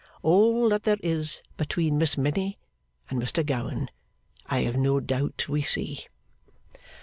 All that there is between Miss Minnie and Mr Gowan, I have no doubt we see.